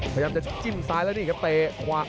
พยายามจะจิ้มซ้ายแล้วนี่ครับเตะขวา